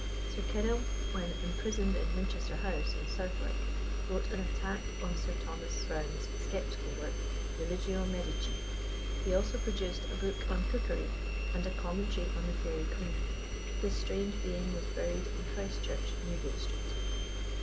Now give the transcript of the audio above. Sir Kenelm, when imprisoned in Winchester House, in Southwark, wrote an attack on Sir Thomas Browne's sceptical work Religio Medici. He also produced a book on cookery, and a commentary on the Faerie Queen. This strange being was buried in Christ Church, Newgate Street.